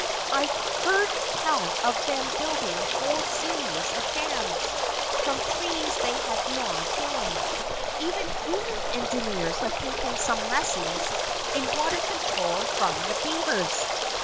I've heard tell of them building whole series of dams from trees they had gnawed down even human engineers have taken some lessons in water control from the beavers."